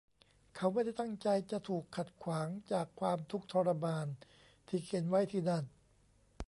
เขาไม่ได้ตั้งใจจะถูกขัดขวางจากความทุกข์ทรมานที่เขียนไว้ที่นั่น